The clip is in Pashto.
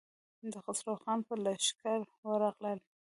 د خسرو خان پر لښکر ورغلل.